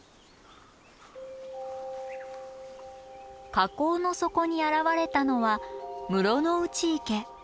火口の底に現れたのは室ノ内池。